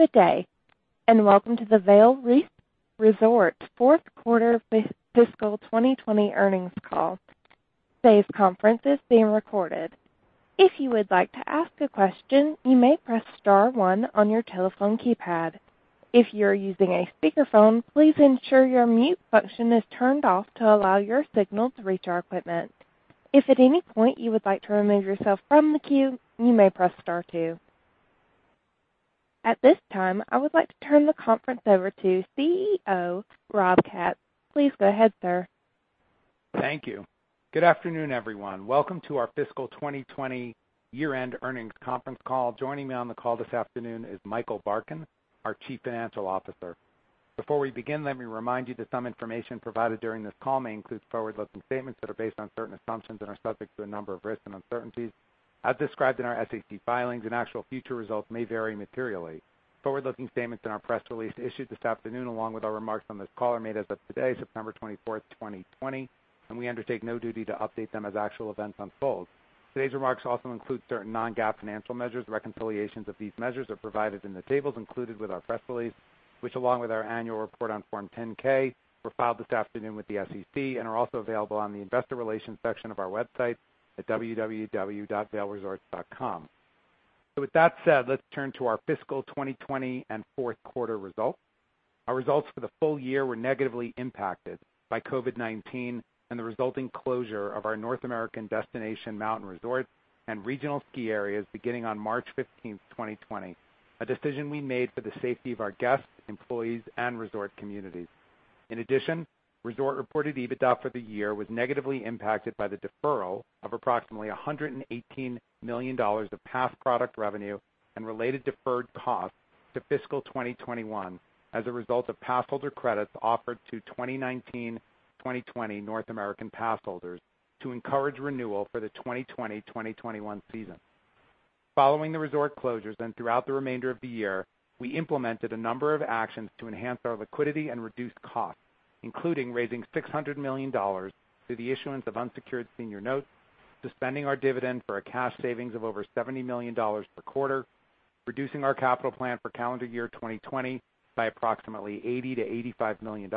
Good day and welcome to the Vail Resorts Q4 fiscal 2020 Earnings Call. Today's conference is being recorded. If you would like to ask a question, you may press Star one on your telephone keypad. If you are using a speakerphone, please ensure your mute function is turned off to allow your signal to reach our equipment. If at any point you would like to remove yourself from the queue, you may press Star two. At this time I would like to turn the conference over to CEO Rob Katz. Please go ahead, sir. Thank you. Good afternoon, everyone. Welcome to our Fiscal 2020 Year-end Earnings Conference Call. Joining me on the call this afternoon is Michael Barkin, our Chief Financial Officer. Before we begin, let me remind you that some information provided during this call may include forward-looking statements that are based on certain assumptions and are subject to a number of risks and uncertainties as described in our SEC filings, and actual future results may vary materially. Forward-looking statements in our press release issued this afternoon, along with our remarks on this call, are made as of today, September 24, 2020, and we undertake no duty to update them as actual events unfold. Today's remarks also include certain non-GAAP financial measures. Reconciliations of these measures are provided in the tables included with our press release, which, along with our annual report on Form 10-K, were filed this afternoon with the SEC and are also available on the Investor Relations section of our website at www.vailresorts.com. With that said, let's turn to our fiscal 2020 and Q4 results. Our results for the full year were negatively impacted by COVID-19 and the resulting closure of our North American destination mountain resorts and regional ski areas beginning on 15 March 2020, a decision we made for the safety of our guests, employees and resort communities. In addition, Resorts reported EBITDA for the year was negatively impacted by the deferral of approximately $118 million of past product revenue and related deferred costs to fiscal 2021 as a result of passholder credits offered to 2019-2020 North American passholders to encourage renewal for the 2020-2021 season following the resort closures and throughout the remainder of the year. We implemented a number of actions to enhance our liquidity and reduce costs, including raising $600 million through the issuance of unsecured senior notes, suspending our dividend for a cash savings of over $70 million per quarter, reducing our capital plan for calendar year 2020 by approximately $80-$85 million,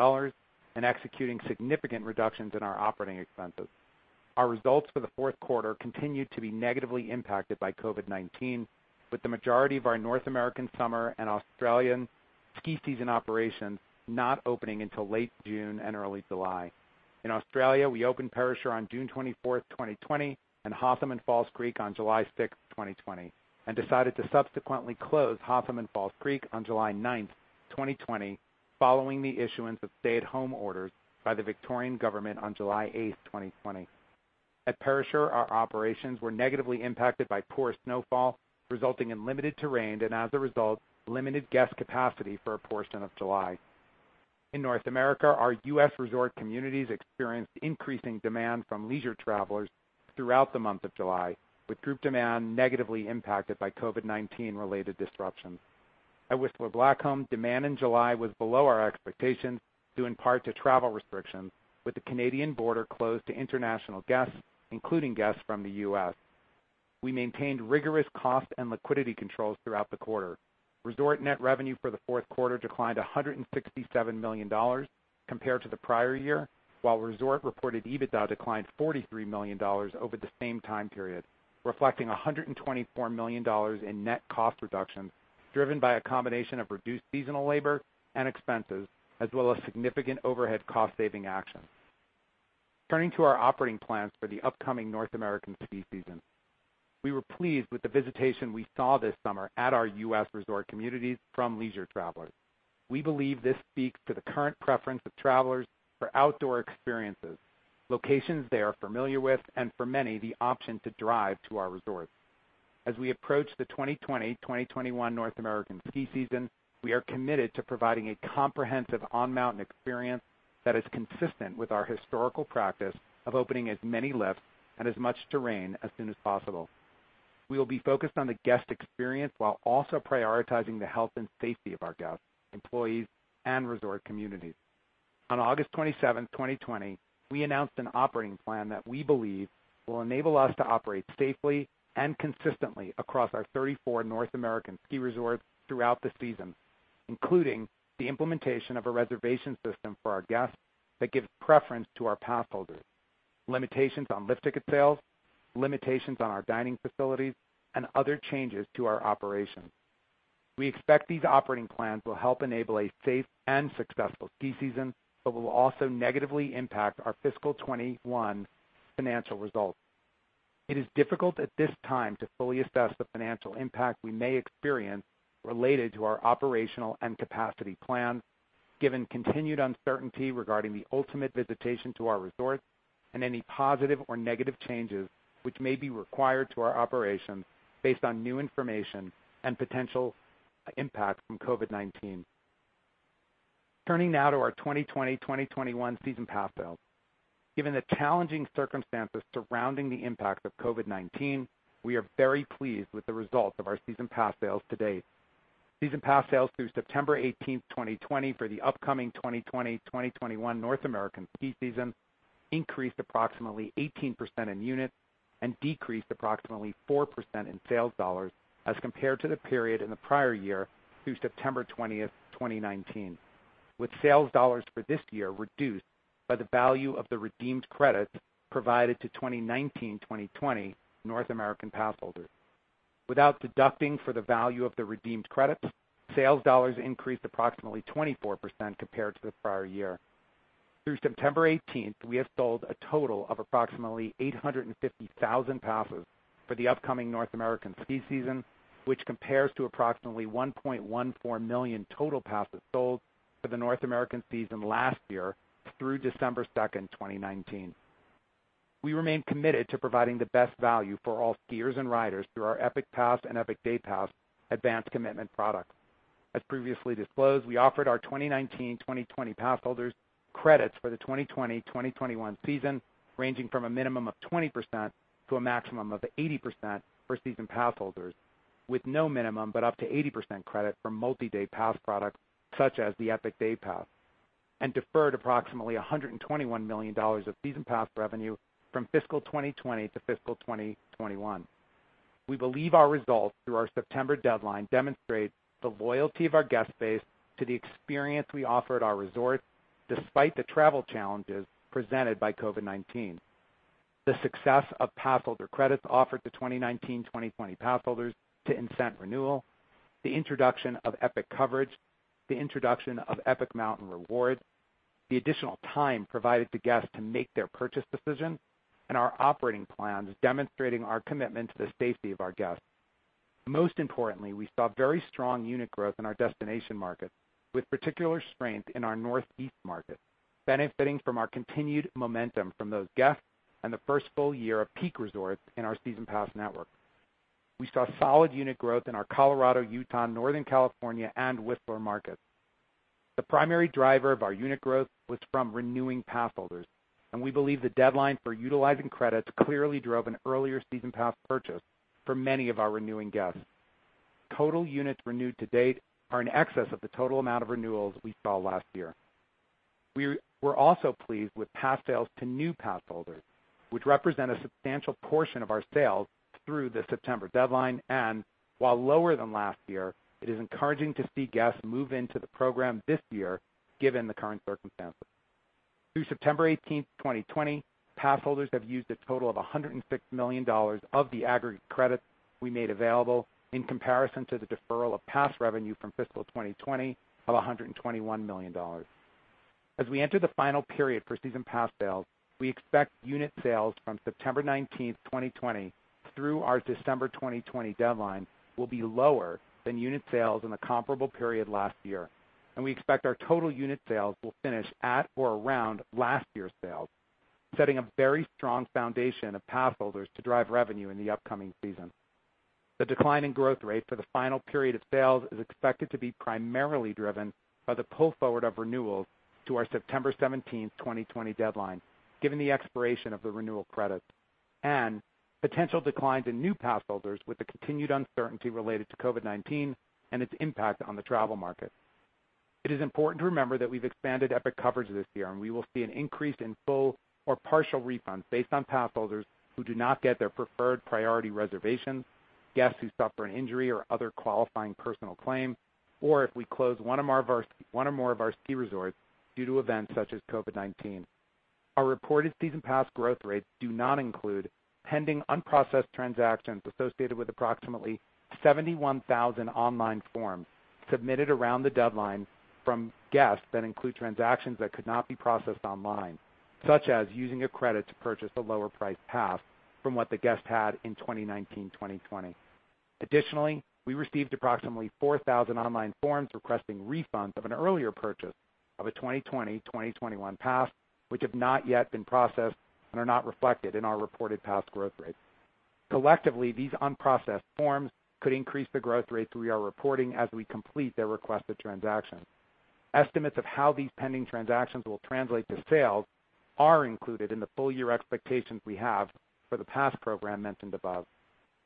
and executing significant reductions in our operating expenses. Our results for the fourth quarter continued to be negatively impacted by COVID-19 with the majority of our North American summer and Australian ski season operations not opening until late June and early July. In Australia, we opened Perisher on 24 June 2020 and Hotham and Falls Creek on 6 July 2020, and decided to subsequently close Hotham and Falls Creek on 9 July 2020 following the issuance of stay-at-home orders by the Victorian government on July 8, 2020. At Perisher, our operations were negatively impacted by poor snowfall resulting in limited terrain and as a result, limited guest capacity for a portion of July. In North America, our U.S. resort communities experienced increasing demand from leisure travelers throughout the month of July, with group demand negatively impacted by COVID-19 related disruptions. At Whistler Blackcomb, demand in July was below our expectations due in part to travel restrictions. With the Canadian border closed to international guests, including guests from the U.S., we maintained rigorous cost and liquidity controls throughout the quarter. Resort net revenue for the Q4 declined $167 million compared to the prior year, while Resort Reported EBITDA declined $43 million over the same time period, reflecting $124 million in net cost reductions driven by a combination of reduced seasonal labor and expenses as well as significant overhead cost saving actions. Turning to our operating plans for the upcoming North American ski season, we were pleased with the visitation we saw this summer at our U.S. resort communities from leisure travelers. We believe this speaks to the current preference of travelers for outdoor experiences, locations they are familiar with, and for many, the option to drive to our resorts. As we approach the 2020-2021 North American ski season, we are committed to providing a comprehensive on mountain experience that is consistent with our historical practice of opening as many lifts and as much terrain as soon as possible. We will be focused on the guest experience while also prioritizing the health and safety of our guests, employees, and resort communities. On August 27, 2020, we announced an operating plan that we believe will enable us to operate safely and consistently across our 34 North American ski resorts throughout the season, including the implementation of a reservation system for our guests that gives preference to our passholders, limitations on lift ticket sales, limitations on our dining facilities, and other changes to our operations. We expect these operating plans will help enable a safe and successful ski season, but will also negatively impact our fiscal 2021 financial results. It is difficult at this time to fully assess the financial impact we may experience related to our operational and capacity plan, given continued uncertainty regarding the ultimate visitation to our resorts and any positive or negative changes which may be required to our operations based on new information and potential impact from COVID-19. Turning now to our 2020-2021 season pass sales, given the challenging circumstances surrounding the impact of COVID-19, we are very pleased with the results of our season pass sales to date. Season Pass sales through September 18, 2020 for the upcoming 2020-2021 North American ski season increased approximately 18% in units and decreased approximately 4% in sales dollars as compared to the period in the prior year through September 20, 2019. With sales dollars for this year reduced by the value of the redeemed Credits provided to 2019-2020 North American passholders without deducting for the value of the redeemed credits, sales dollars increased approximately 24% compared to the prior year. Through September 18, we have sold a total of approximately 850,000 passes for the upcoming North American ski season, which compares to approximately 1.14 million total passes sold for the North American season last year through December 2, 2019. We remain committed to providing the best value for all skiers and riders through our Epic Pass and Epic Day Pass Advance Commitment products. As previously disclosed, we offered our 2019-2020 pass holders credits for the 2020-2021 season ranging from a minimum of 20%-80% for season pass holders with no minimum but up to 80% credit for multi day pass products such as the Epic Day Pass and deferred approximately $121 million of season pass revenue from fiscal 2020 to fiscal 2021. We believe our results through our September deadline demonstrate the loyalty of our guest base to the experience we offer at our resorts. Despite the travel challenges presented by COVID-19, the success of passholder credits offered to 2019-2020 passholders to incent renewal, the introduction of Epic Coverage, the introduction of Epic Mountain Rewards, the additional time provided to guests to make their purchase decision, and our operating plans demonstrating our commitment to the safety of our guests. Most importantly, we saw very strong unit growth in our destination market with particular strength in our Northeast market, benefiting from our continued momentum from those guests and the first full year of Peak Resorts. In our Season Pass network, we saw solid unit growth in our Colorado, Utah, Northern California, and Whistler markets. The primary driver of our unit growth was from renewing passholders and we believe the deadline for utilizing credits clearly drove an earlier season pass purchase for many of our renewing guests. Total units renewed to date are in excess of the total amount of renewals we saw last year. We were also pleased with pass sales to new passholders, which represent a substantial portion of our sales through the September deadline and while lower than last year, it is encouraging to see guests move into the program this year given the current circumstances. Through September 18, 2020, Passholders have used a total of $106 million of the aggregate credit we made available in comparison to the deferral of pass revenue from fiscal 2020 of $121 million. As we enter the final period for season Pass sales, we expect unit sales from September 19, 2020 through our December 2020 deadline will be lower than unit sales in the comparable period last year, and we expect our total unit sales will finish at or around last year's sales, setting a very strong foundation of passholders to drive revenue in the upcoming season. The decline in growth rate for the final period of sales is expected to be primarily driven by the pull forward of renewals to our September 17, 2020 deadline given the expiration of the renewal credits and potential declines in new passholders. With the continued uncertainty related to COVID-19 and its impact on the travel market, it is important to remember that we've expanded Epic Coverage this year and we will see an increase in full or partial refunds based on passholders who do not get their preferred priority reservations, guests who suffer an injury or other qualifying personal claim, or if we close one or more of our ski resorts due to events such as COVID-19. Our reported season pass growth rates do not include pending unprocessed transactions associated with approximately 71,000 online forms submitted around the deadline from guests that include transactions that could not be processed online, such as using a credit to purchase a lower priced pass from what the guest had in 2019-2020. Additionally, we received approximately 4,000 online forms requesting refunds of an earlier purchase of a 2020-2021 pass which have not yet been processed and are not reflected in our reported pass growth rate. Collectively, these unprocessed forms could increase the growth rates we are reporting as we complete their requested transactions. Estimates of how these pending transactions will translate to sales are included in the full year expectations we have for the Pass program mentioned above.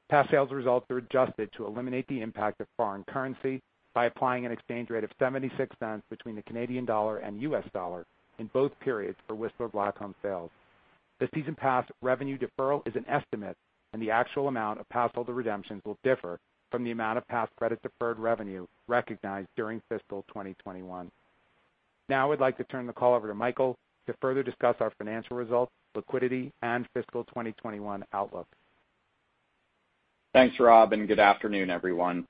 Pass sales results are adjusted to eliminate the impact of foreign currency by applying an exchange rate of 76 cents between the Canadian dollar and U.S. dollar in both periods. For Whistler Blackcomb sales, the season pass revenue deferral is an estimate and the actual amount of passholder redemptions will differ from the amount of Pass credit deferred revenue recognized during fiscal 2021. Now I'd like to turn the call over to Michael to further discuss our financial results, liquidity and fiscal 2021. Outlook. Thanks Rob and good afternoon everyone.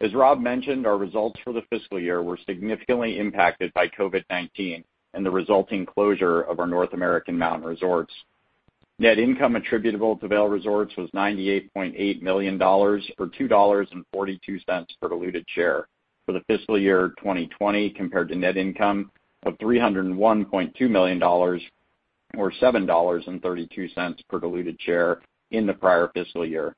As Rob mentioned, our results for the fiscal year were significantly impacted by COVID-19 and the resulting closure of our North American Mountain Resorts. Net income attributable to Vail Resorts was $98.8 million or $2.42 per diluted share for the fiscal year 2020 compared to net income of $301.2 million or $7.32 per diluted share in the prior fiscal year.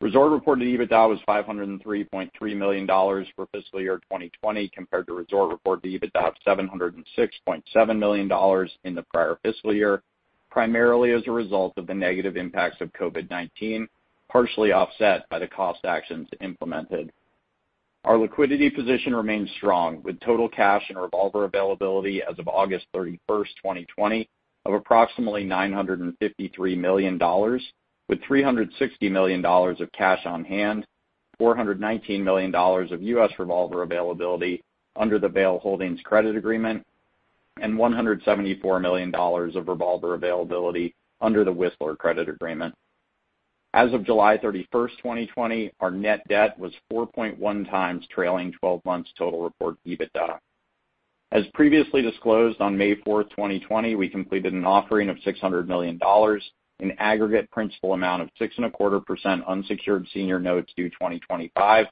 Resort reported EBITDA was $503.3 million for fiscal year 2020 compared to resort reported EBITDA of $706.7 million in the prior fiscal year. Primarily as a result of the negative impacts of COVID-19 partially offset by the cost actions implemented, our liquidity position remains strong with total cash and revolver availability as of August 31, 2020 of approximately $953 million with $360 million of cash on hand, $419 million of U.S. Revolver availability under the Vail Holdings Credit Agreement and $174 million of revolver availability under the Whistler Credit Agreement. As of July 31, 2020, our net debt was 4.1 times trailing twelve months total reported EBITDA. As previously disclosed, on May 4, 2020, we completed an offering of $600 million aggregate principal amount of 6.25% unsecured senior notes due 2025,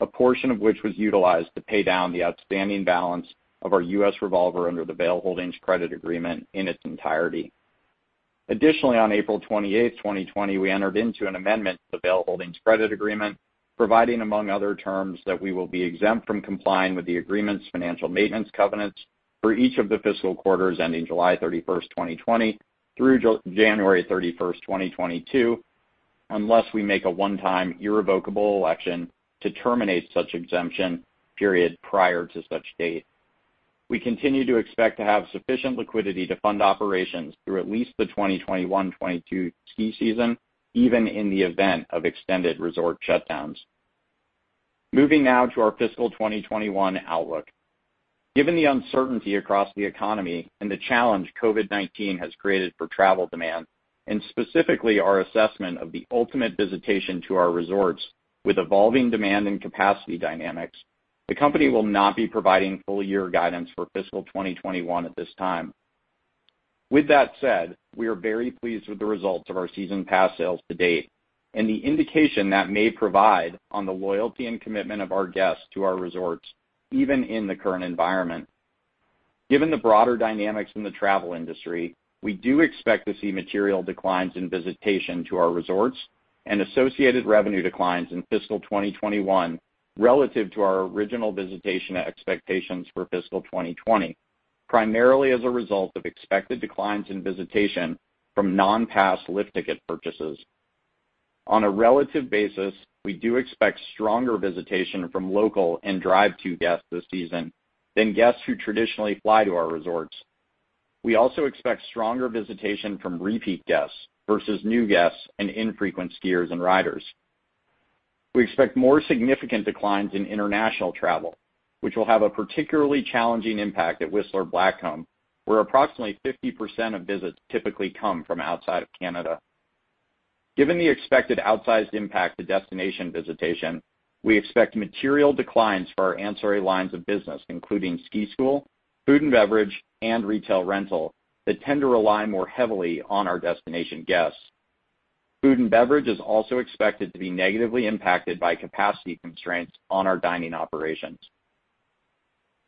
a portion of which was utilized to pay down the outstanding balance of our US Revolver under the Vail Holdings Credit Agreement in its entirety. Additionally, on April 28, 2020, we entered into an amendment to the Vail Holdings Credit Agreement providing, among other terms, that we will be exempt from complying with the Agreement's financial maintenance covenants for each of the fiscal quarters ending July 31, 2020 through January 31, 2022. Unless we make a one-time irrevocable election to terminate such exemption period prior to such date, we continue to expect to have sufficient liquidity to fund operations through at least the 2021-22 ski season, even in the event of extended resort shutdowns. Moving now to our fiscal 2021 outlook. Given the uncertainty across the economy and the challenge COVID-19 has created for travel demand and specifically our assessment of the ultimate visitation to our resorts with evolving demand and capacity dynamics, the Company will not be providing full year guidance for fiscal 2021 at this time. With that said, we are very pleased with the results of our season pass sales to date and the indication that may provide on the loyalty and commitment of our guests to our resorts even in the current environment. Given the broader dynamics in the travel industry, we do expect to see material declines in visitation to our resorts and associated revenue declines in fiscal 2021 relative to our original visitation expectations for fiscal 2020, primarily as a result of expected declines in visitation from non pass lift ticket purchases. On a relative basis, we do expect stronger visitation from local and drive to guests this season than guests who traditionally fly to our resorts. We also expect stronger visitation from repeat guests versus new guests and infrequent skiers and riders. We expect more significant declines in international travel which will have a particularly challenging impact at Whistler Blackcomb where approximately 50% of visits typically come from outside of Canada. Given the expected outsized impact to destination visitation, we expect material declines for our ancillary lines of business including ski school, food and beverage and retail rental that tend to rely more heavily on our destination guests. Food and beverage is also expected to be negatively impacted by capacity constraints on our dining operations.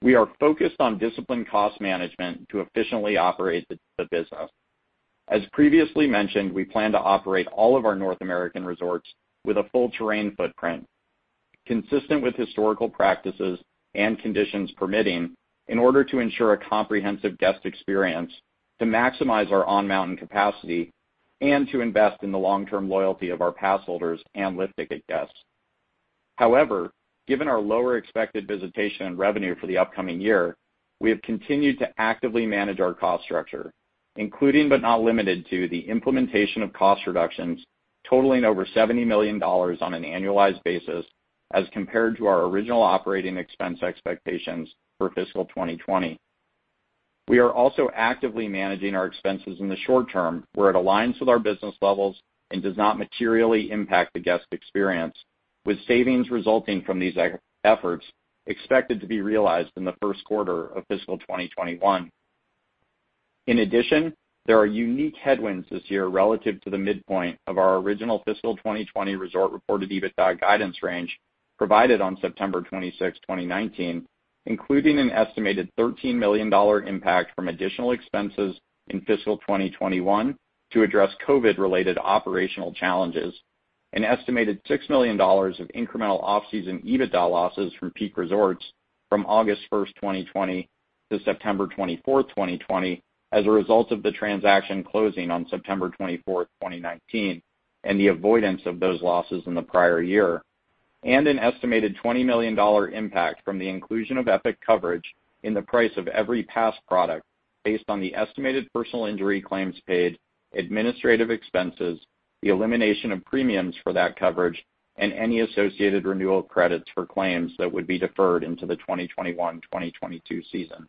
We are focused on disciplined cost management to efficiently operate the business. As previously mentioned, we plan to operate all of our North American resorts with a full terrain footprint consistent with historical practices and conditions permitting in order to ensure a comprehensive guest experience to maximize our on mountain capacity and to invest in the long term loyalty of our passholders and lift ticket guests. However, given our lower expected visitation and revenue for the upcoming year, we have continued to actively manage our cost structure including but not limited to the implementation of cost reductions totaling over $70 million on an annualized basis as compared to our original operating expense expectations for fiscal 2020. We are also actively managing our expenses in the short term where it aligns with our business levels and does not materially impact the guest experience, with savings resulting from these efforts expected to be realized in the first quarter of fiscal 2021. In addition, there are unique headwinds this year relative to the midpoint of our original fiscal 2020 resort. Reported EBITDA guidance range provided on September 26, 2019, including an estimated $13 million impact from additional expenses in fiscal 2021 to address COVID-related operational challenges, an estimated $6 million of incremental off-season EBITDA losses from Peak Resorts from August 1, 2020 to September 24, 2020 as a result of the transaction closing on September 24, 2019 and the avoidance of those losses in the prior year, and an estimated $20 million impact from the inclusion of Epic Coverage in the price of every pass product based on the estimated personal injury claims, paid administrative expenses, the elimination of premiums for that coverage, and any associated renewal credits for claims that would be deferred into the 2021-2022 season.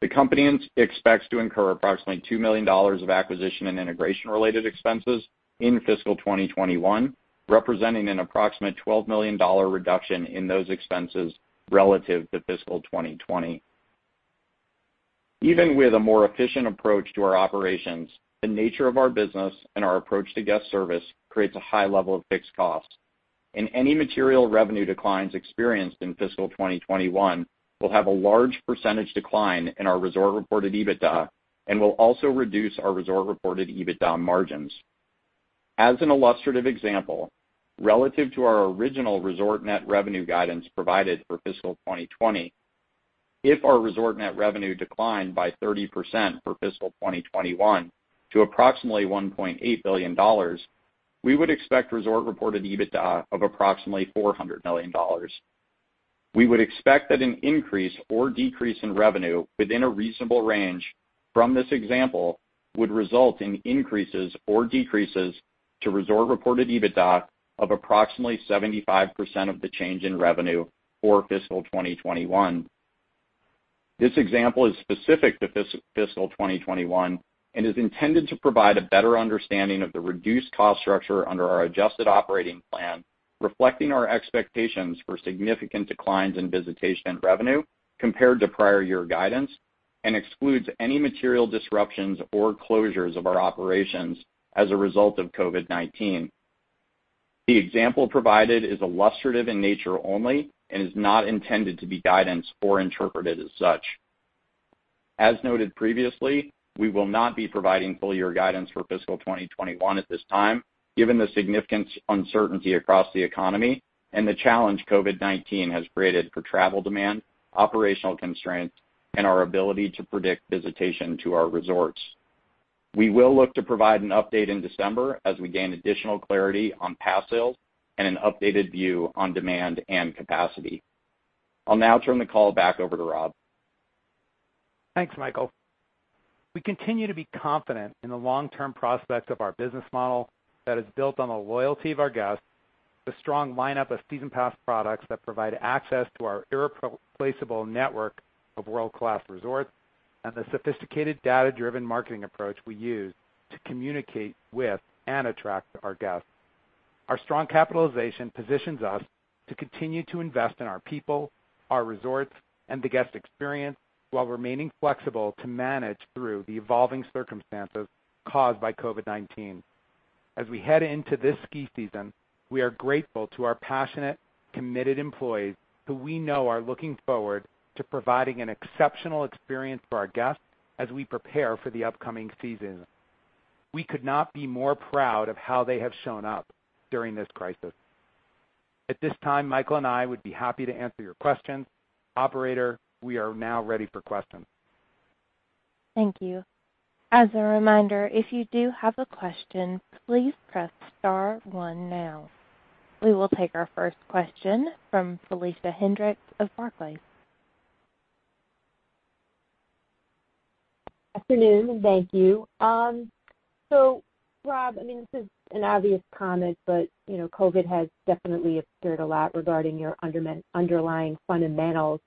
The company expects to incur approximately $2 million of acquisition and integration related expenses in fiscal 2021, representing an approximate $12 million reduction in those expenses relative to fiscal 2020. Even with a more efficient approach to our operations, the nature of our business and our approach to guest service creates a high level of fixed costs and any material revenue declines experienced in fiscal 2021 will have a large percentage decline in our resort reported EBITDA and will also reduce our resort reported EBITDA margins. As an illustrative example, relative to our original resort net revenue guidance provided for fiscal 2020, if our resort net revenue declined by 30% for fiscal 2021 to approximately $1.8 billion, we would expect resort reported EBITDA of approximately $400 million. We would expect that an increase or decrease in revenue within a reasonable range off from this example would result in increases or decreases to resort reported EBITDA of approximately 75% of the change in revenue for fiscal 2021. This example is specific to fiscal 2021 and is intended to provide a better understanding of the reduced cost structure under our adjusted operating plan reflecting our expectations for significant declines in visitation and revenue compared to prior year guidance and excludes any material disruptions or closures of our operations as a result of COVID-19. The example provided is illustrative in nature only and is not intended to be guidance or interpreted as such. As noted previously, we will not be providing full year guidance for fiscal 2021 at this time. Given the significant uncertainty across the economy and the challenge COVID-19 has created for travel demand, operational constraints and our ability to predict visitation to our resorts. We will look to provide an update in December as we gain additional clarity on Pass sales and an updated view on demand and capacity. I'll now turn the call back over to. Rob. Thanks, Michael. We continue to be confident in the long-term prospect of our business model that is built on the loyalty of our guests, the strong lineup of season Pass products that provide access to our irreplaceable network of world-class resorts and the sophisticated data-driven marketing approach we use to communicate with and attract our guests. Our strong capitalization positions us to continue to invest in our people, our resorts and the guest experience while remaining flexible to manage through the evolving circumstances caused by COVID-19. As we head into this ski season, we are grateful to our passionate, committed employees who we know are looking forward to providing an exceptional experience for our guests as we prepare for the upcoming season. We could not be more proud of how they have shown up during this crisis. At this time, Michael and I would be happy to answer your questions. Operator, we are now ready for questions. Thank you. As a reminder, if you do have a question, please press star one. Now we will take our first question from Felicia Hendricks of Barclays. Afternoon and thank you. So, Rob, I mean, this is an obvious comment, but COVID has definitely appeared a lot regarding your underlying fundamentals.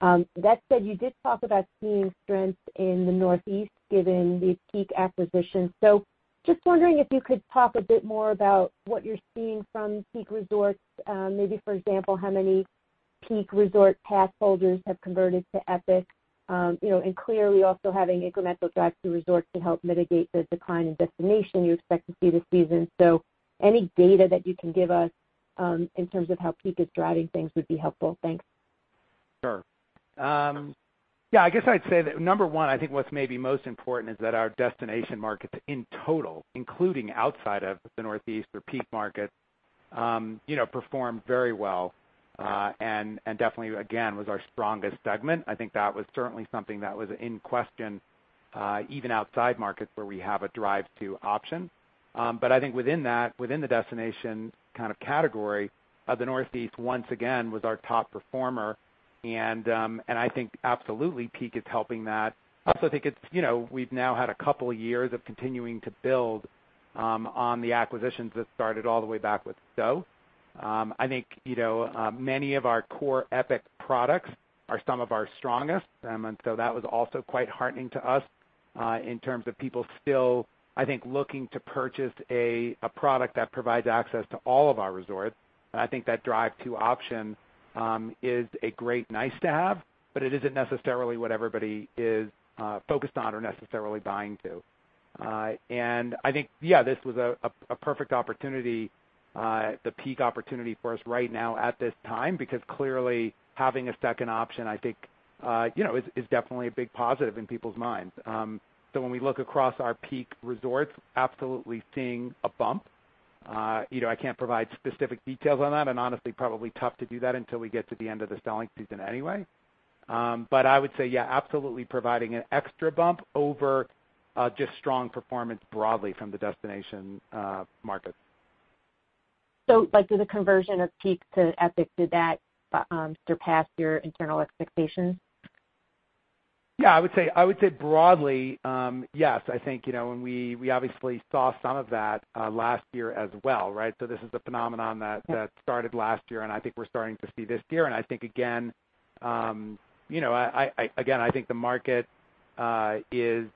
That said, you did talk about seeing strength in the Northeast given these Peak acquisitions. So just wondering if you could talk a bit more about what you're seeing from Peak Resorts. Maybe for example, how many Peak Resort pass holders have converted to Epic and clearly also having incremental drive to resorts to help mitigate the decline in destination you expect to see this season. So any data that you can give us in terms of how Peak is driving things would be helpful. Thanks. Sure. Yeah, I guess I'd say that number one, I think what's maybe most important is that our destination markets in total, including outside of the Northeast or Peak market, performed very well and definitely again was our strongest segment. I think that was certainly something that was in question even outside markets where we have a drive-to option. But I think within that, within the destination kind of category, the Northeast once again was our top performer. And I think absolutely Peak is helping that. I also think it's we've now had a couple of years of continuing to build on the acquisitions that started all the way back with the Stowe. I think many of our core Epic products are some of our strongest. And so that was also quite heartening to us in terms of people still, I think, looking to purchase a product that provides access to all of our resorts. And I think that drive to option is a great nice to have, but it isn't necessarily what everybody is focused on or necessarily buying to. And I think, yes, this was a perfect opportunity, the Epic opportunity for us right now at this time, because clearly having a second option I think is definitely a big positive in people's minds. So when we look across our Epic resorts, absolutely seeing a bump, I can't provide specific details on that. And, honestly, probably tough to do that until we get to the end of the selling season anyway. But I would say, yeah, absolutely, providing an extra bump over just strong performance broadly from the destination market. So did the conversion of Peak to Epic, did that surpass your internal expectations. Yeah, I would say broadly, yes. I think we obviously saw some of that last year as well. So this is the phenomenon that started last year and I think we're starting to see this year, and I think again. I think the market is.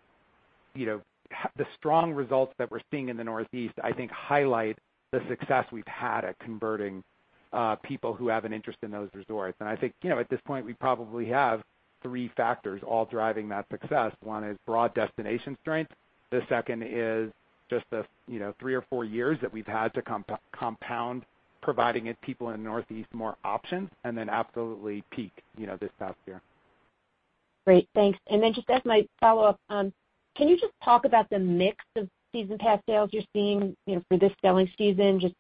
The strong results that we're seeing in the Northeast, I think, highlight the success we've had at converting people who have an interest in those resorts, and I think at this point we probably have three factors all driving that success. One is broad destination strength. The second is just the three or four years that we've had to compound providing people in the Northeast more options and then absolutely peaked this past. Yeah. Great, thanks. And then just as my follow up, can you just talk about the mix of season pass sales you're seeing for this selling season, just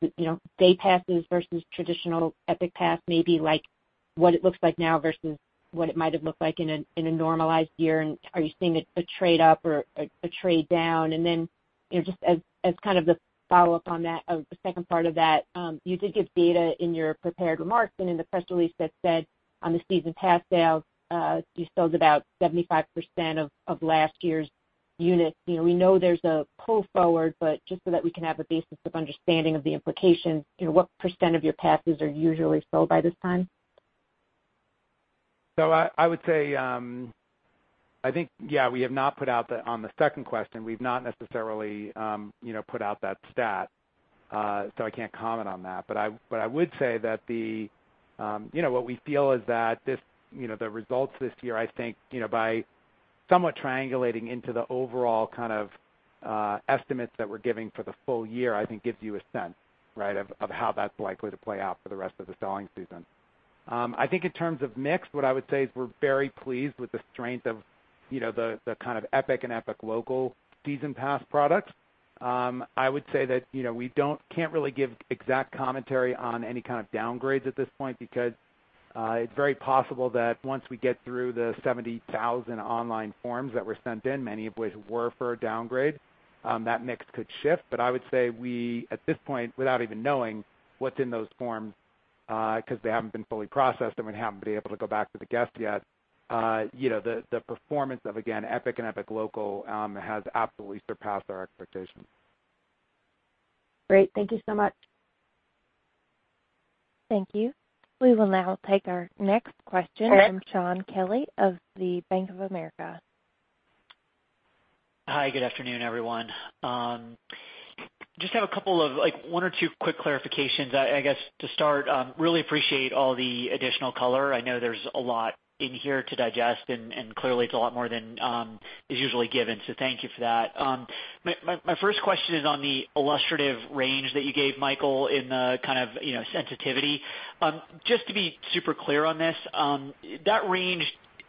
day passes versus traditional Epic Pass, maybe like what it looks like now versus what it might have looked like in a normalized year? And are you seeing a trade up or a trade down? And then just as kind of the follow up on that second part of that, you did give data in your prepared remarks and in the press release that said on the season pass sales, you sold about 75% of last year's. We know there's a pull forward, but just so that we can have a basis of understanding of the implications, what % of your passes are usually sold by this time? So I would say, I think, yeah, we have not put out on the second question, we've not necessarily put out that stat, so I can't comment on that. But I would say that what we feel is that this, the results this year, I think by somewhat triangulating into the overall kind of estimates that we're giving for the full year, I think gives you a sense of how that's likely to play out for the rest of the selling season. I think in terms of mix, what I would say is we're very pleased with the strength of the kind of Epic and Epic Local season pass product. I would say that we can't really give exact commentary on any kind of downgrades at this point because it's very possible that once we get through the 70,000 online forms that were sent in, many of which were for a downgrade, that mix could shift, but I would say we at this point, without even knowing what's in those forms because they haven't been fully processed and we haven't been able to go back to the guest yet, the performance of again, Epic and Epic Local has absolutely surpassed our expectations. Great. Thank you so much. Thank you. We will now take our next question from Shaun Kelley of Bank of America. Hi, good afternoon, everyone. Just have a couple of like one or two quick clarifications, I guess to start. Really appreciate all the additional color. I know there's a lot in here to digest, and clearly it's a lot more than is usually given. So thank you for that. My first question is on the illustrative range that you gave Michael in the kind of sensitivity. Just to be super clear on this, that range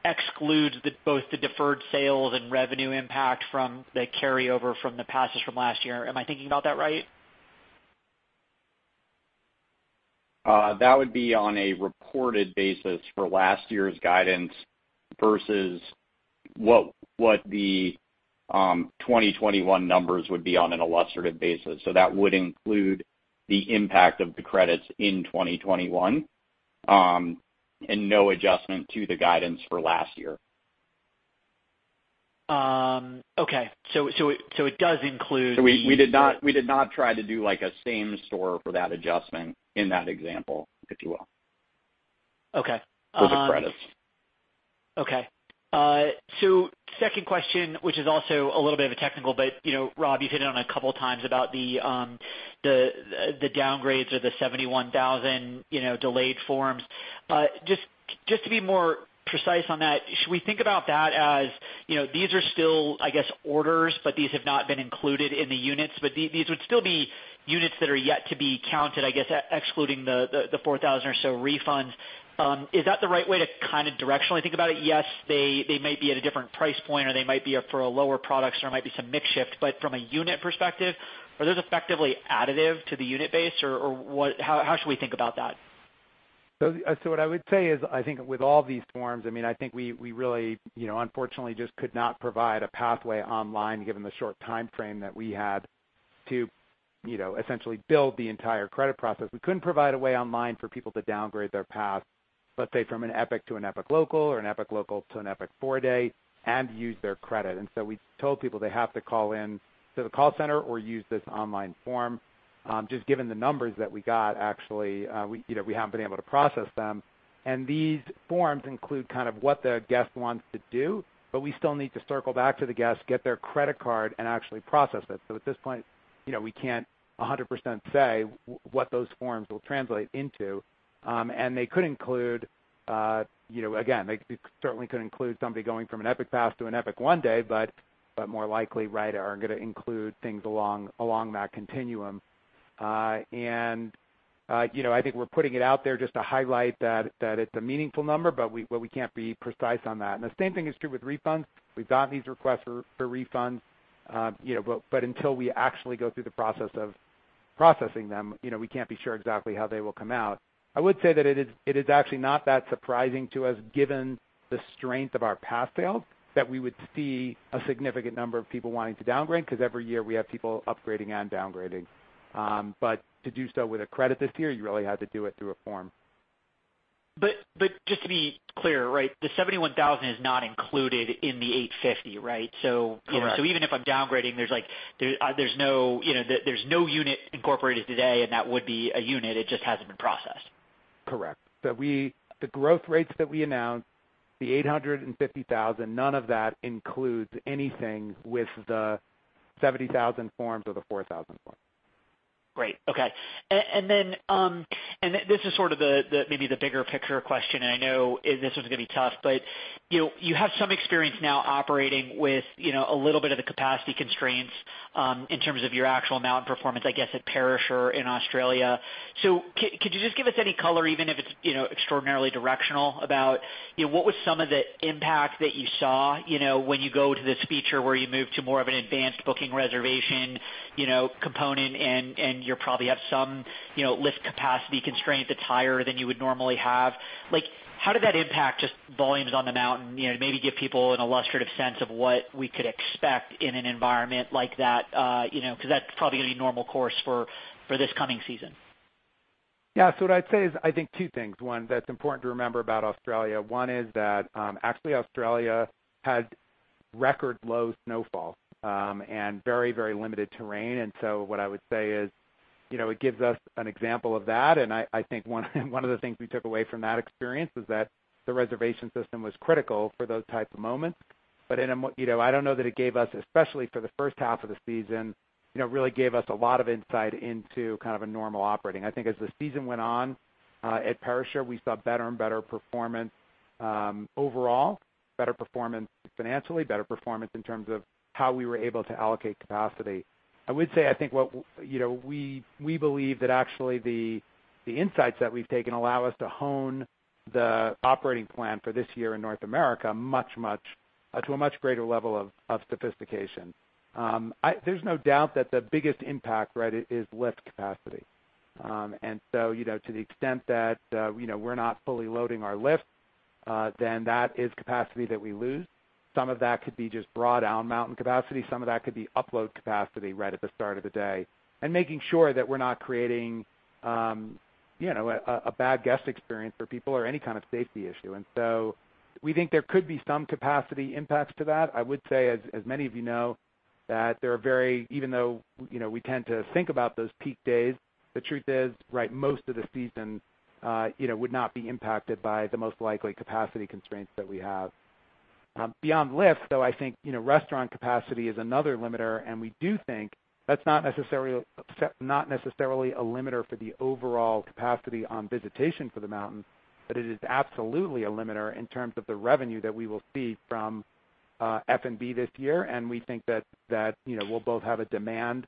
excludes both the deferred sales and revenue impact from the carryover from the passes from last year. Am I thinking about that Right? That would be on a reported basis for last year's guidance versus what the 2021 numbers would be on an illustrative basis. So that would include the impact of the credits in 2021. No adjustment to the guidance for last. Year. Okay, so it does. So we did not try to do like a same store for that adjustment in that example, if you. Will. Okay. For the credits. Okay. So, second question, which is also a little bit of a technical, but Rob, you've hit on a couple times about. The downgrades or the 71 delayed forms, just to be more precise on that. Should we think about that as these are still, I guess, orders, but these have not been included in the units. But these would still be units that are yet to be counted, I guess, excluding the 4,000 or so refunds. Is that the right way to kind of directionally think about it? Yes, they might be at a different price point, or they might be up for a lower product, or might be some mix shift. But from a unit perspective, are those effectively additive to the unit base or how should we think about that? So what I would say is I think with all these forms, I think we really unfortunately just could not provide a pathway online. Given the short time frame that we had to essentially build the entire credit process, we couldn't provide a way online for people to downgrade their path, let's say, from an EPIC to an EPIC Local, or an EPIC Local to an EPIC 4-Day and use their credit. So we told people they have to call in to the call center or use this online form, just given the numbers that we got. Actually, we haven't been able to process them. And these forms include kind of what the guest wants to do, but we still need to circle back to the guest, get their credit card and actually process it. So at this point, we can't 100% say what those forms will translate into. And they could include. Again, they certainly could include somebody going from an Epic Pass to an Epic 1-Day. But. But more likely, we are going to include things along that continuum. And I think we're putting it out there just to highlight that it's a meaningful number. But we can't be precise on that. And the same thing is true with refunds. We've gotten these requests for refunds, but until we actually go through the process of processing them, we can't be sure exactly how they will come out. I would say that it is actually not that surprising to us, given the strength of our pass sales, that we would see a significant number of people wanting to downgrade. Because every year we have people upgrading and downgrading. But to do so with a credit this year, you really had to do it through a form. But just to be clear, right, the 71,000 is not included in the 850. Right. So even if I'm downgrading, there's like, you know, no unit incorporated today. And that would be a unit It just hasn't been processed. Correct. The growth rates that we announced, the 850,000, none of that includes anything with the 70,000 forms or the 4,000 forms. Great. Okay, and then this is sort of maybe the bigger picture question, and I know this one's going to be tough, but you have some experience now operating with a little bit of the capacity constraints in terms of your actual mountain performance, I guess, at Perisher in Australia, so could you just give us any color, even if it's extraordinarily directional, about what was some of the impact that you saw when you go to this feature where you move to more of an advanced booking reservation component and you probably have some lift capacity constraint that's higher than you would normally have. How did that impact just volumes on the mountain? Maybe give people an illustrative sense of what we could expect in an environment like that, because that probably going to be normal course for this coming season. Yeah. So what I'd say is I think two things. One that's important to remember about Australia. One is that actually Australia had record low snowfall and very, very limited terrain. And so what I would say is it gives us an example of that. And I think one of the things we took away from that experience is that the reservation system was critical for those type of moments. But I don't know that it gave us, especially for the first half of the season, really gave us a lot of insight into kind of a normal operating. I think as the season went on at Perisher we saw better and better performance overall, better performance financially, better performance. In terms of how we were able to allocate capacity, I would say, I think we believe that actually the insights that we've taken allow us to hone the operating plan for this year in North America much, much to a much greater level of sophistication. There's no doubt that the biggest impact is lift capacity. And so to the extent that we're not fully loading our lift, then that is capacity that we lose. Some of that could be just broad mountain capacity, some of that could be upload capacity right at the start of the day and making sure that we're not creating. A bad guest experience for people or any kind of safety issue. We think there could be some capacity impacts to that. I would say, as many of you know. Even though we tend to think about those peak days, the truth is most of the season would not be impacted by the most likely capacity constraints that we have. Beyond lift, though I think restaurant capacity is another limiter and we do think that's not necessarily a limiter for the overall capacity on visitation for the mountain, but it is absolutely a limiter in terms of the revenue that we will see from F&B this year, and we think that we'll both have a demand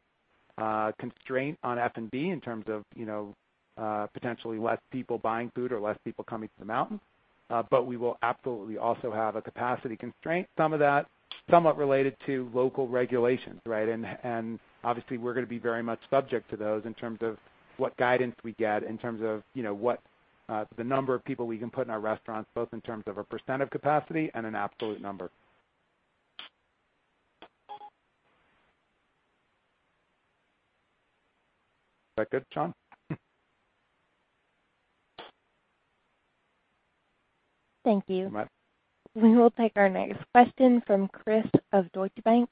constraint on F&B in terms of potentially less people buying food or less people coming to the mountains. But we will absolutely also have a capacity constraint, some of that somewhat related to local regulations. Right. And obviously we're going to be very much subject to those in terms of what guidance we get in terms of what the number of people we can put in our restaurants, both in terms of a % of capacity and an absolute number. Is that good Shaun? Thank you. We will take our next question from Chris of Deutsche. Bank.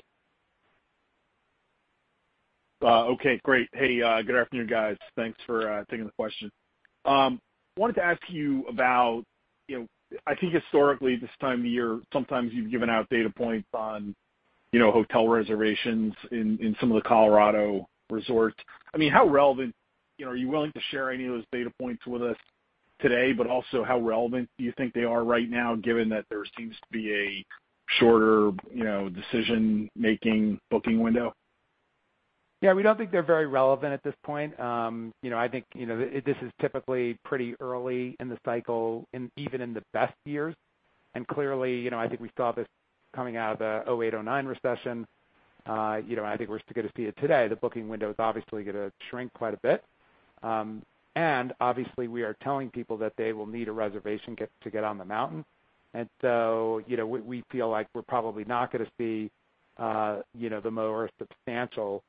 Okay, great. Hey, good afternoon guys. Thanks for taking the question. I. Wanted to ask you. I think historically, this time of year sometimes you've given out data points on hotel reservations in some of the Colorado resorts. I mean, how relevant are you willing to share any of those data points with us today? But also, how relevant do you think they are right now given that there seems to be a shorter decision making booking window? Yes, we don't think they're very relevant at this point. I think this is typically pretty early in the cycle, even in the best years, and clearly I think we saw this coming out of the 2008-2009 recession. I think we're still going to see it today. The booking window is obviously going to shrink quite a bit, and obviously we are telling people that they will need a reservation to get on the mountain, and so we feel like we're probably not going to see the more substantial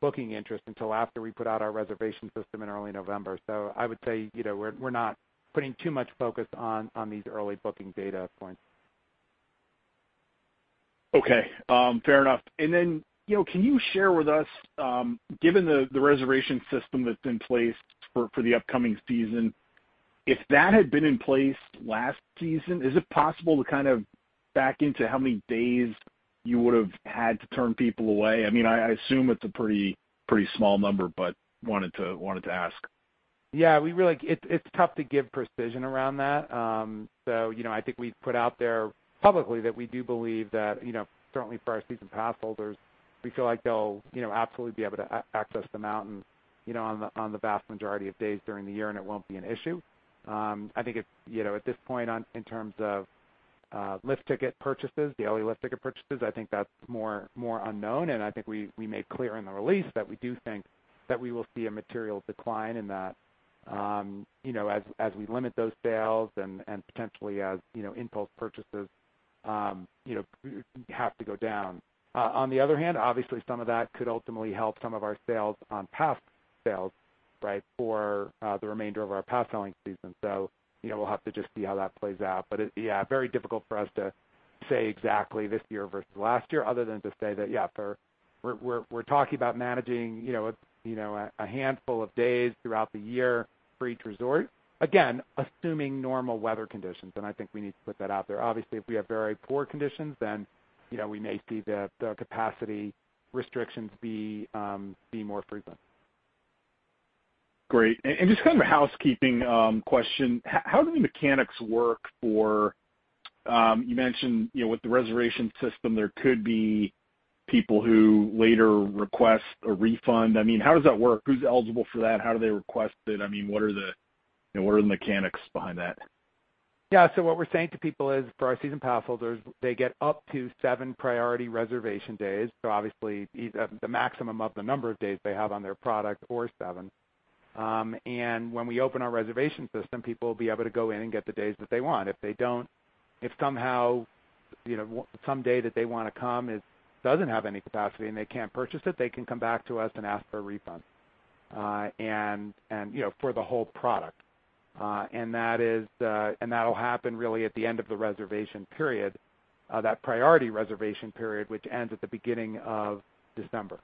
booking interest until after we put out our reservation system in early November, so I would say we're not putting too much focus on these early booking data points. Okay, fair enough. And then can you share with us, given the reservation system that's in place for the upcoming season, if that had been in place last season, is. It's possible to kind of back into. How many days you would have had to turn people away? I mean, I assume it's a pretty small number, but wanted to. Yes. Yeah, we really. It's tough to give precision around that. So I think we put out there publicly that we do believe that certainly for our season pass holders, we feel like they'll absolutely be able to access the mountain on the vast majority of days during the year and it won't be an issue. I think at this point in terms of lift ticket purchases, daily lift ticket purchases, I think that's more unknown, and I think we made clear in the release that we do think that we will see a material decline in that. As we limit those sales and potentially as impulse purchases. Have to go down. On the other hand, obviously some of that could ultimately help some of our sales on pass sales for the remainder of our pass selling season. So we'll have to just see how that plays out. But yeah, very difficult for us to say exactly this year versus last year other than to say that, yes, we're talking about managing a handful of days throughout the year for each resort again assuming normal weather conditions. And I think we need to put that out there. Obviously if we have very poor conditions, then we may see the capacity restrictions be more frequent. Great. And just kind of a housekeeping question, how do the mechanics work that you mentioned with the reservation system, there could be people who later request a refund. I mean, how does that work? Who's eligible for that? How do they request it? I mean, what are the mechanics behind that? Yeah, so what we're saying to people is for our season pass holders, they get up to seven priority reservation days. So obviously the maximum of the number of days they have on their product or seven, and when we open our reservation system, people will be able to go in and get the days that they want. If they don't, if somehow some day that they want to come doesn't have any capacity and they can't purchase it, they can come back to us and ask for a refund for the whole product. That will happen really at the end of the reservation period, that priority reservation period, which ends at the beginning of December.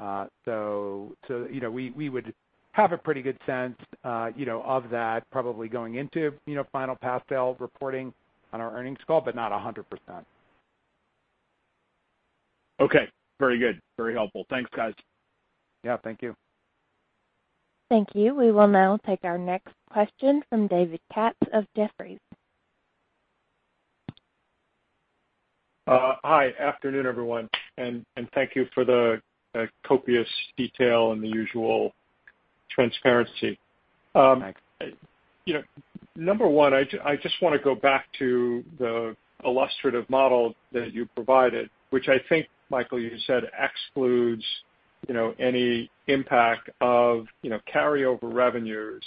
We would have a pretty good sense of that probably going into final pass sales reporting on our earnings call, but not 100%. Okay, very good. Very.Helpful. Thanks, guys. Yeah, thanks. Thank you. We will now take our next question from David Katz of. Jefferies. Hi. Afternoon. Everyone, and thank you for the copious detail and the usual transparency. Number one, I just want to go back to the illustrative model that you provided, which I think, Michael, you said excludes any impact of carryover revenues.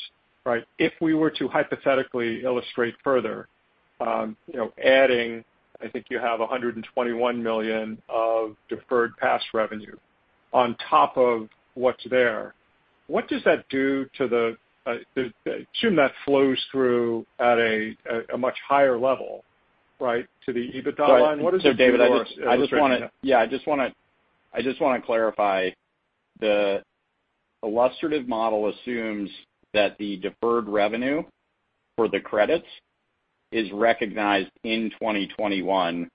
If we were to hypothetically illustrate further, adding, I think you have $121 million of deferred pass revenue on top of what's there, what does that do to the assume that flows through at a much higher level right to the EBITDA line. What is. That? So, David? Yeah, I just want to, I just want to clarify. The illustrative model assumes that the deferred revenue for the credits is recognized in 2021.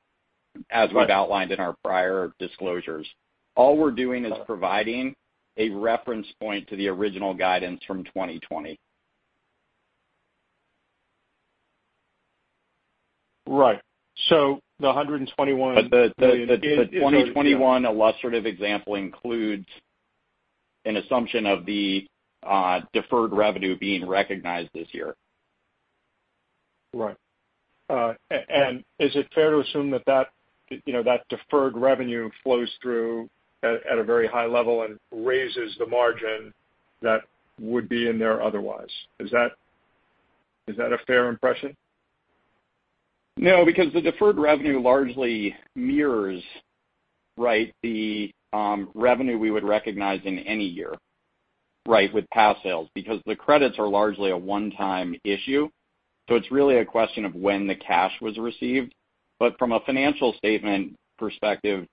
As we've outlined in our prior disclosures. All we're doing is providing a reference point to the original guidance from 2020. Right. So the '21, the 2021 illustrative example includes an assumption of the deferred revenue being recognized this year. Right, and is it fair to assume that that deferred revenue flows through at a very high level and raises the margin that would be in there? Otherwise, Is that a fair impression? No, because the deferred revenue largely mirrors, right, the revenue we would recognize in any year, right, with pass sales, because the credits are largely a one-time issue, so it's really a question of when the cash was received, but from a financial statement. Perspective.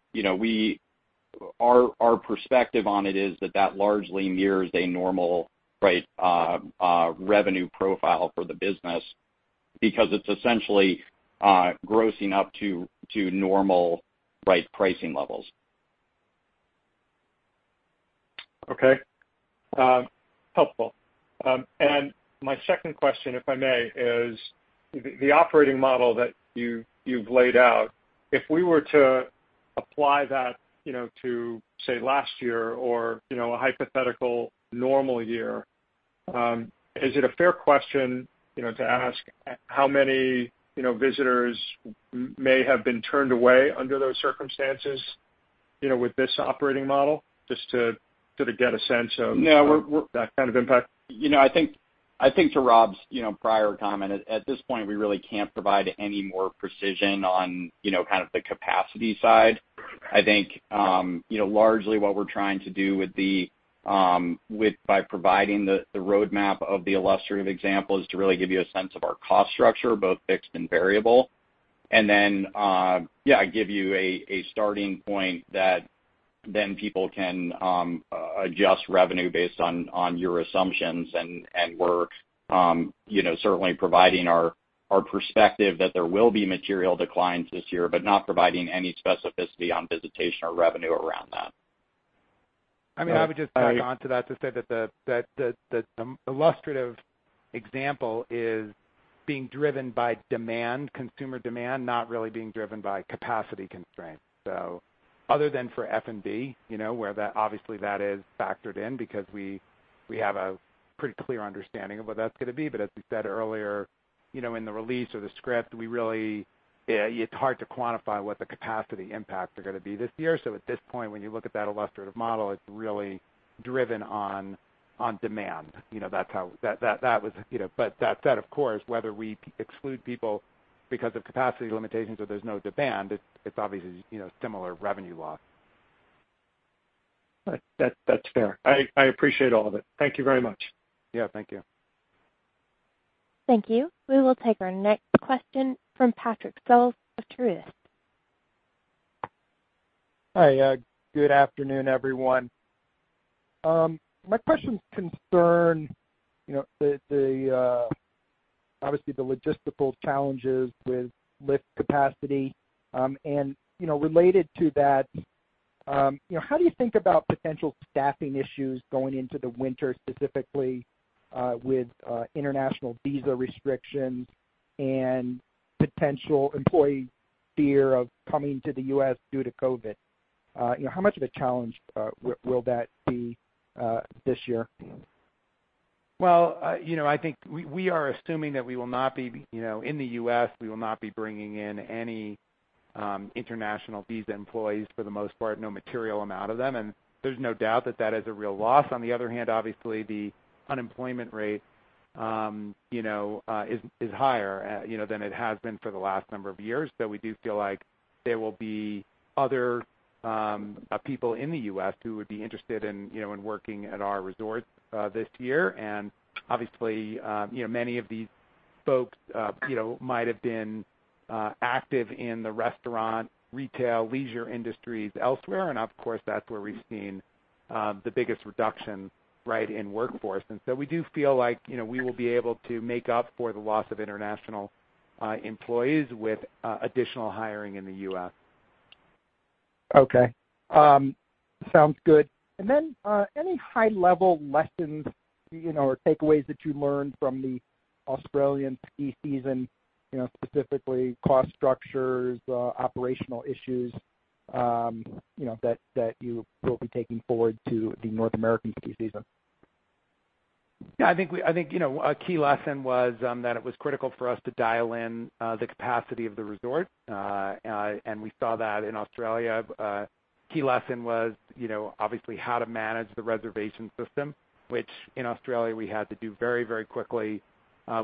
Our perspective on it is that largely mirrors a normal. Revenue profile for the business because it's essentially grossing up to normal right pricing levels. Okay. Helpful. And my second question, if I may, is the operating model that you've laid out, if we were to apply that to say, last year or a hypothetical normal year, is it fair question to ask how many visitors may have been turned away under those circumstances, you know, with this operating model, just to sort of get a sense of that kind of impact, you know, I. Tying to Rob's, you know, prior comment, at this point, we really can't provide any more precision on, you know, kind of the capacity side. I think, you know, largely what we're trying to do by providing the roadmap of the illustrative example is to really give you a sense of our cost structure, both fixed and variable, and then, yeah, I give you a starting point that then people can adjust revenue based on your assumptions, and we're certainly providing our perspective that there will be material declines this year, but not providing any specificity on visitation or revenue around that. I mean, I would just tack onto that to say that some illustrative example is being driven by demand, consumer demand, not really being driven by capacity constraints. So other than for F and B, where obviously that is factored in because we have a pretty clear understanding of what that's going to be. But as we said earlier in the release or the script, we really, it's hard to quantify what the capacity impacts are going to be this year. So at this point, when you look at that illustrative model, it's really driven on demand. That's how that was. But that said, of course, whether we exclude people because of capacity limitations or there's no demand, it's obviously similar revenue loss. That's fair. I appreciate all of it. Thank you very much. Yeah, thank. You. Thank you. We will take our next question from Patrick Scholes of. Truist. Hi, good afternoon everyone. My questions concern. Obviously, the logistical challenges with lift capacity. Related to that, how do you think about potential staffing issues going into the winter, specifically with international visa restrictions and potential employee fear of coming to the U.S. due to Covid. How much of a challenge will that be this year? I think we are assuming that we will not be bringing in any international visa employees, for the most part, no material amount of them. There's no doubt that that is a real loss. On the other hand, obviously the unemployment rate. Is higher than it has been for the last number of years. So we do feel like there will be other people in the U.S. who would be interested in working at our resorts this year. And obviously many of these folks might have been active in the restaurant, retail, leisure industries elsewhere. And of course that's where we've seen the biggest reduction in workforce. And so we do feel like we will be able to make up for the loss of international employees with additional hiring in the U.S. Okay, sounds good, and then any high level lessons or takeaways that you learned from the Australian ski season, specifically cost structures, operational issues. That you will be taking forward to the North American Ski Season? I think a key lesson was that it was critical for us to dial in the capacity of the resort, and we saw that in Australia. Key lesson was obviously how to manage the reservation system, which in Australia we had to do very, very quickly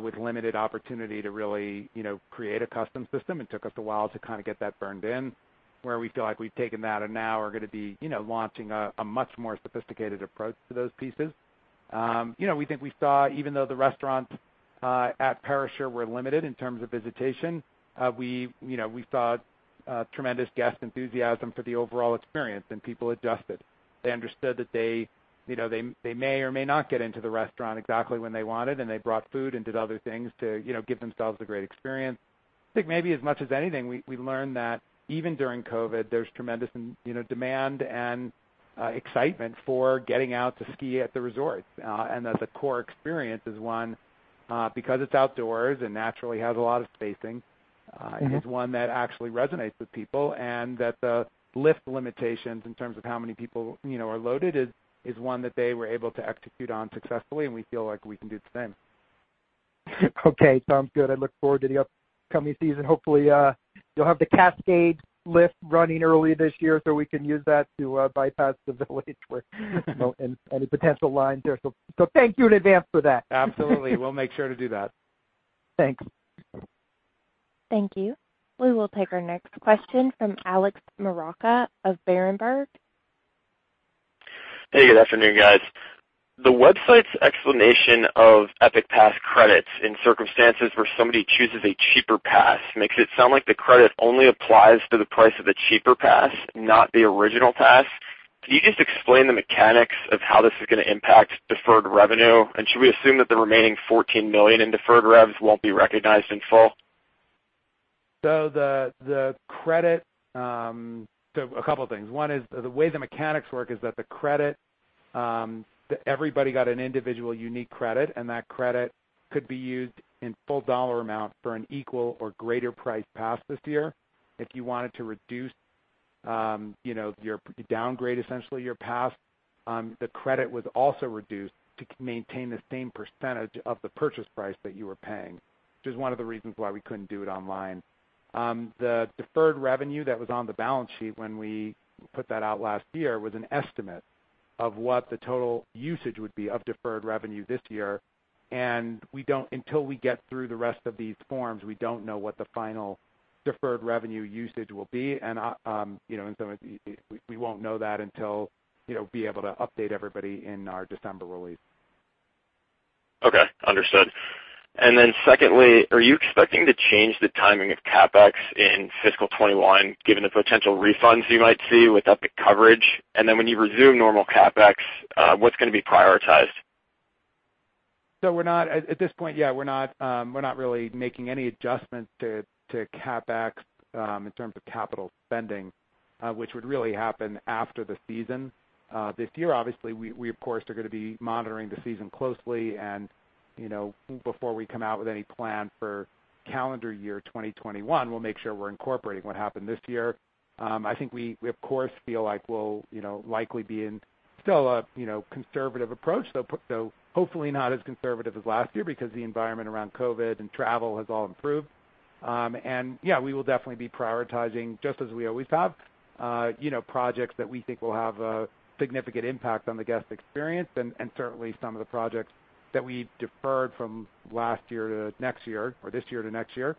with limited opportunity to really create a custom system. It took us a while to kind of get that burned in where we feel like we've taken that and now are going to be launching a much more sophisticated approach to those pieces. We think we saw even though the restaurants at Perisher were limited in terms of visitation, we saw tremendous guest enthusiasm for the overall experience, and people adjusted. They understood that they may or may not get into the restaurant exactly when they wanted, and they brought food and did other things to give themselves a great experience. I think maybe as much as anything, we learned that even during COVID there's tremendous demand and excitement for getting out to ski at the resort. And that the core experience is one because it's outdoors and naturally has a lot of spacing, is one that actually resonates with people. And that the lift limitations in terms of how many people are loaded is one that they were able to execute on successfully. And we feel like we can do the same. Okay, sounds good. I look forward to the upcoming season. Hopefully you'll have the Cascade lift running early this year, so we can use that to bypass the village and any potential lines there. So thank you in advance for that. Absolutely. We'll make sure to do that. Thanks. Thank you. We will take our next question from Alex Maroccia of Berenberg. Hey, good afternoon, guys. The website's explanation of Epic Pass credits in circumstances where somebody chooses a cheaper pass makes it sound like the credit only applies to the price of the cheaper pass, not the original pass. Can you just explain the mechanics of how this is going to impact deferred revenue? And should we assume that the remaining $14 million in deferred revs won't be recognized in full? So, the credit. A couple things. One is the way the mechanics work is that the credit everybody got an individual unique credit, and that credit could be used in full dollar amount for an equal or greater price pass. This year, if you wanted to reduce. Downgrade, essentially your pass, the credit was also reduced to maintain the same percentage of the purchase price that you were paying, which is one of the reasons why we couldn't do it online. The deferred revenue that was on the balance sheet when we put that out last year was an estimate of what the total usage would be of deferred revenue this year, and until we get through the rest of these forms, we don't know what the final deferred revenue usage will be. We won't know that until we're able to update everybody in our December release. Okay, understood. Then, secondly, are you expecting to change the timing of CapEx in fiscal 2021 given the potential refunds you might see with Epic Coverage? And then, when you resume normal CapEx, what's going to be. Prioritized? So we're not at this point. Yeah, we're not really making any adjustments to CapEx in terms of capital spending which would really happen after the season this year. Obviously we of course are going to be monitoring the season closely and before we come out with any plan for calendar year 2021, we'll make sure we're incorporating what happened this year. I think we of course feel like we'll likely be in still a conservative approach, though hopefully not as conservative as last year because the environment around COVID and travel has all improved, and yeah, we will definitely be prioritizing just as we always have projects that we think will have a significant impact on the guest experience. Certainly some of the projects that we deferred from last year to next year or this year to next year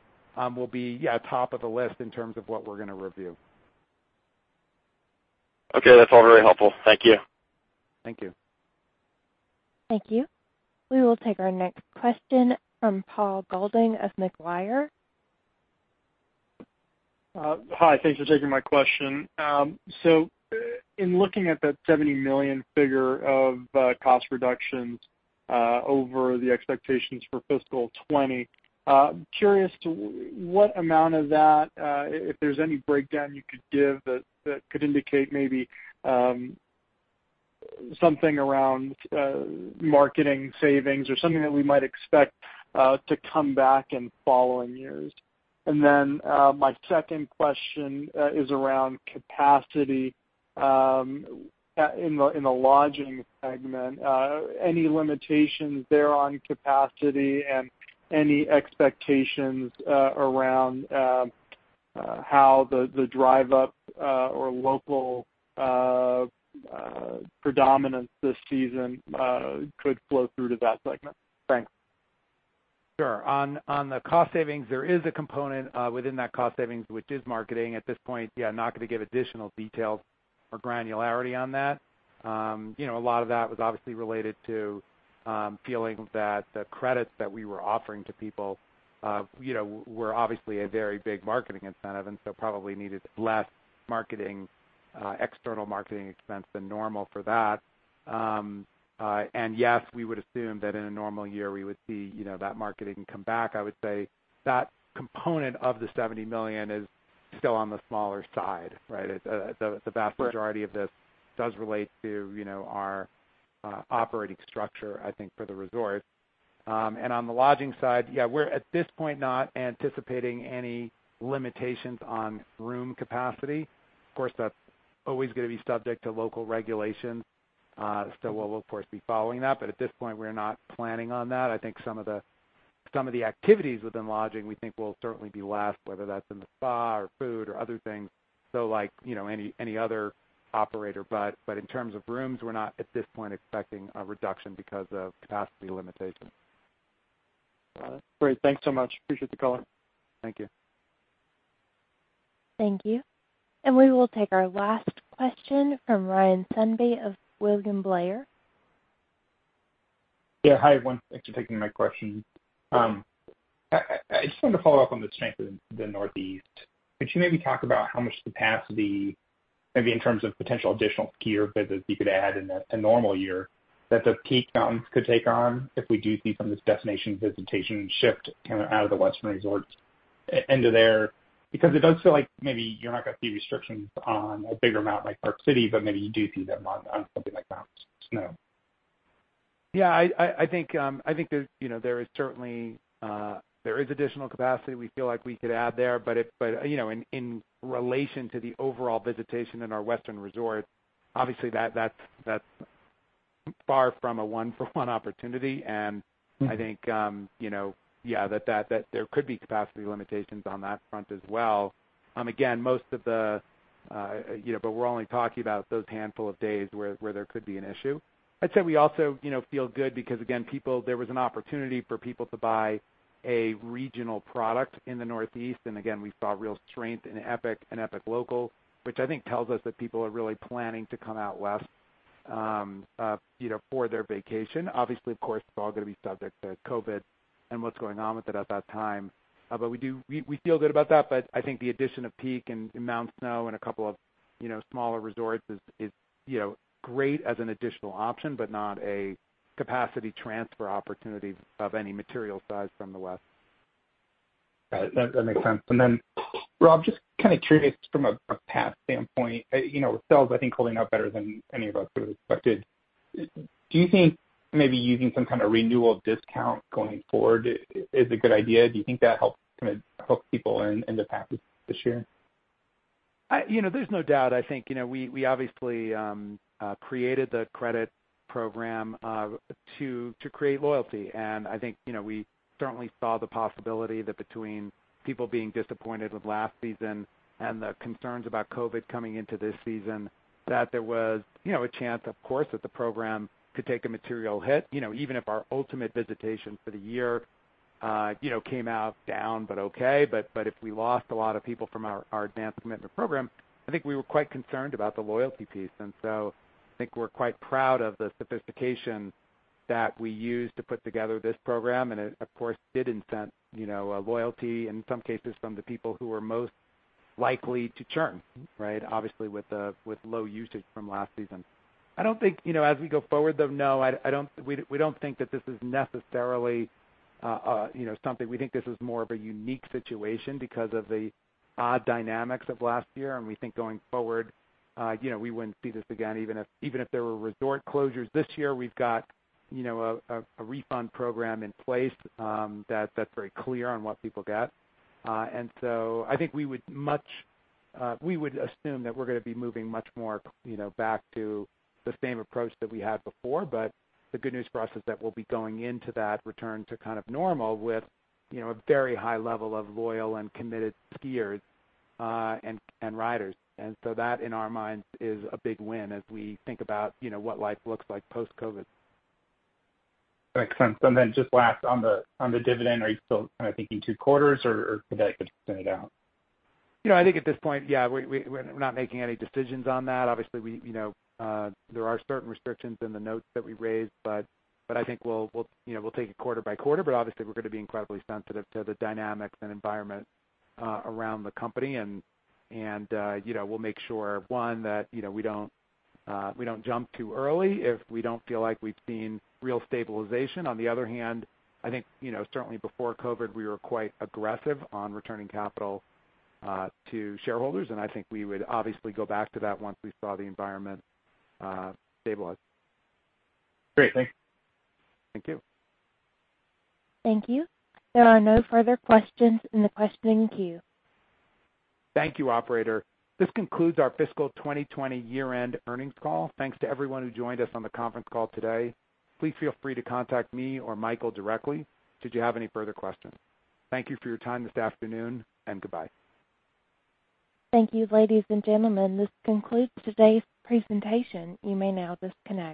will be top of the list in terms of what we're going to review. Okay, that's all very helpful. Thank you. Thank you. Thank you. We will take our next question from Paul Golding of Macquarie. Hi, thanks for taking my question. So, in looking at that $70 million figure of cost reductions over the expectations for fiscal 2020, curious to what amount of that. If there's any breakdown you could give that could indicate. Maybe.Something around marketing savings or something that we might. Expect to come back in following years, and then my second question is. Around.CapacityIn the lodging segment. Any limitations there on capacity and any expectations around? How the drive up or local. Predominance this season could flow through to that segment. Thanks. Sure. On the cost savings, there is a component within that cost savings which is marketing. At this point I'm not going to give additional details or granularity on that. A lot of that was obviously related to feeling that the credits that we were offering to people were obviously a very big marketing incentive and so probably needed less marketing external marketing expense than normal for that. Yes, we would assume that in a normal year we would see that marketing come back. I would say that component of the $70 million is still on the smaller side. The vast majority of this does relate to our operating structure. I think for the resort. On the lodging side we're at this point not anticipating any limitations on room capacity. Of course that's always going to be subject to local regulations. We'll of course be following that. But at this point we're not planning on that. I think some of the activities within lodging we think will certainly be left, whether that's in the spa or food or other things. Like any other operator. But in terms of rooms, we're not at this point expecting a reduction because of capacity limitations. Great. Thanks so much. Appreciate the caller. Thank you. Thank you, and we will take our last question from Ryan Sundby of William Blair. Yeah, hi everyone. Thanks for taking my question. I just wanted to follow up on the strength of the Northeast. Could you maybe talk about how much capacity maybe in terms of potential additional skier visits you could add in a normal year that the Peak mountains could take on if we do see some of this destination visitation shift out of the western resorts into there, because. It does feel like maybe you're not going to see restrictions on a bigger mountain like Park City, but maybe you do see them on something like Mount Snow? Yeah, I think there is certainly there is additional capacity we feel like we could add there. But in relation to the overall visitation in our western resorts, obviously that's far from a one for one opportunity. And I think, yeah, there could be capacity limitations on that front as well. Again, most of the. But we're only talking about those handful of days where there could be an issue. I'd say we also feel good because again, people, there was an opportunity for people to buy a regional product in the Northeast. And again, we saw real strength in Epic and Epic Local, which I think tells us that people are really planning to come out west. For their vacation. Obviously, of course, it's all going to be subject to COVID and what's going on with it at that time, but we feel good about that. But I think the addition of Peak and Mount Snow and a couple of smaller resorts is great as an additional option, but not a capacity transfer opportunity of any material size from the West. That makes sense. And then, Rob, just kind of curious from a path standpoint, you know, sales, I think holding up better than any of us would have expected. Do you think maybe using some kind of renewal discount going forward is a good idea? Do you think that helps hook people in the past this year? You know, there's no doubt. I think, you know, we obviously created the credit program to create loyalty. And I think we certainly saw the possibility that between people being disappointed with last season and the concerns about COVID coming into this season, that there was a chance, of course, that the program could take a material hit even if our ultimate visitation for the year came out down. But okay. But if we lost a lot of people from our advanced commitment program, I think we were quite concerned about the loyalty piece. And so I think we're quite proud of the sophistication that we used to put together this program. And it, of course, did incent loyalty in some cases from the people who are most likely to churn, obviously with low usage from last season. I don't think as we go forward, though. No, we don't think that this is necessarily something. We think this is more of a unique situation because of the odd dynamics of last year. And we think going forward we wouldn't see this again even if there were resort closures this year. We've got a refund program in place that's very clear on what people get. And so I think we would much. We would assume that we're going to be moving much more back to the same approach that we had before. But the good news for us is that we'll be going into that return to kind of normal with a very high level of loyal and committed skiers and riders. And so that, in our minds, is a big win. As we think about what life looks like post-COVID. Makes sense. And then, just last on the dividend, are you still kind of thinking 2/4 or could that extend it out? I think at this point, yeah, we're not making any decisions on that. Obviously, there are certain restrictions in the notes that we raised, but I think we'll take it quarter by quarter, but obviously we're going to be incredibly sensitive to the dynamics and environment around the company, and we'll make sure, one, that we don't jump too early if we don't feel like we've seen real stabilization. On the other hand, I think certainly before COVID we were quite aggressive on returning capital to shareholders, and I think we would obviously go back to that once we saw the. Environment. Great. Thanks. Thank you. There are no further questions in the queue and. Kirsten. Thank you, operator. This concludes our fiscal 2020 year-end earnings call. Thanks to everyone who joined us on the conference call today. Please feel free to contact me or Michael directly should you have any further questions. Thank you for your time this afternoon and goodbye. Thank you. Ladies and gentlemen, this concludes today's presentation. You may now disconnect.